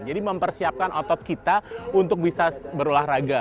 jadi mempersiapkan otot kita untuk bisa berolahraga